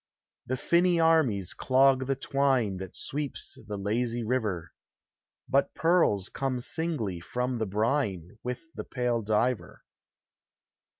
The tinny armies clog the twine That sweeps the lazy river, But pearls come singly from the brine With the pale diver.